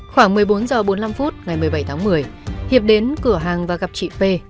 khoảng một mươi bốn h bốn mươi năm phút ngày một mươi bảy tháng một mươi hiệp đến cửa hàng và gặp chị p